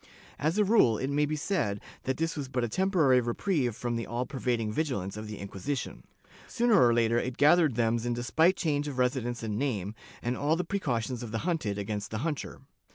As a rule it may be said that this was but a temporary reprieve from the all pervading vigilance of the Inquisition. Sooner or later, it gathered thems in despite change of residence and name, and all the precautions of the hunted against the hunter.